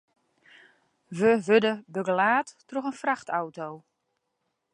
We wurde begelaat troch in frachtauto.